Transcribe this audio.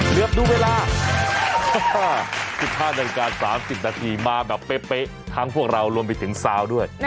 เรียบดูเวลา๑๕ตัวจันถ์การ๓๐นาทีมาแบบเป๊ะทั้งพวกเรารวมไปถึงเซาด้วย